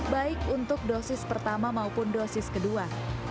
baik untuk dosis pertama maupun dosis kedua